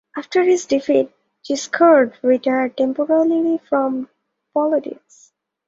After his defeat, Giscard retired temporarily from politics.